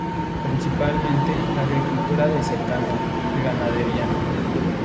Principalmente agricultura de secano y ganadería.